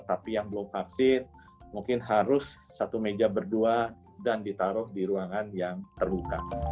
tapi yang belum vaksin mungkin harus satu meja berdua dan ditaruh di ruangan yang terluka